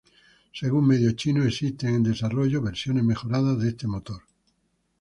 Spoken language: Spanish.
Según medios chinos existen en desarrollo versiones mejoradas de este motor.